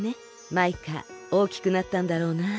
マイカおおきくなったんだろうなあ。